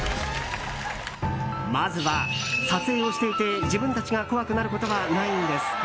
まずは、撮影をしていて自分たちが怖くなることはないんですか？